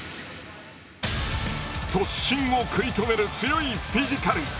突進を食い止める強いフィジカル。